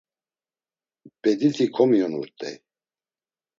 Bediti komiyonurt̆ey.